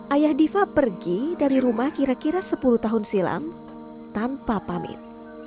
ayah diva pergi dari rumah kira kira sepuluh tahun silam tanpa pamit